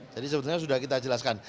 jadi sebetulnya sudah kita jelaskan